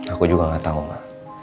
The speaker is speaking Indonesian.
aku juga gak tahu ma